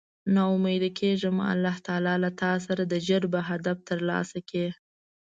نا اميده کيږه مه الله له تاسره ده ژر به هدف تر لاسه کړی